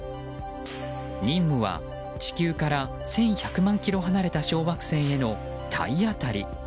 任務は地球から１１００万ｋｍ離れた小惑星への体当たり。